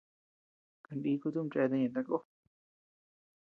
Kaniku tumi cheatea ñeʼe takó.